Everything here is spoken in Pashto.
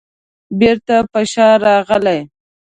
بېرته په شا راغی.